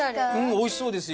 おいしそうですよ。